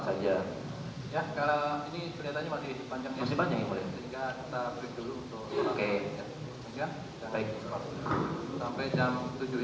saja ya kalau ini ternyata masih panjangnya masih panjang ya boleh tingkat tapi dulu oke sampai jam tujuh